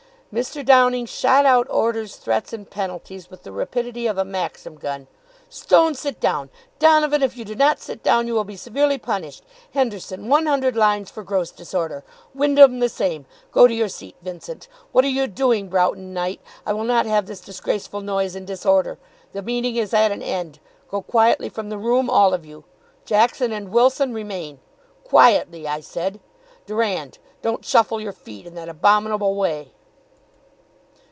Mr. Downing shot out orders, threats, and penalties with the rapidity of a Maxim gun. "Stone, sit down! Donovan, if you do not sit down, you will be severely punished. Henderson, one hundred lines for gross disorder! Windham, the same! Go to your seat, Vincent. What are you doing, Broughton Knight? I will not have this disgraceful noise and disorder! The meeting is at an end; go quietly from the room, all of you. Jackson and Wilson, remain. Quietly, I said, Durand! Don't shuffle your feet in that abominable way."